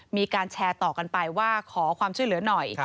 มีการแชร์ต่อกันไปว่าขอความช่วยเหลือหน่อย